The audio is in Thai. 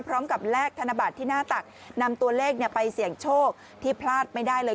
แลกธนบัตรที่หน้าตักนำตัวเลขไปเสี่ยงโชคที่พลาดไม่ได้เลย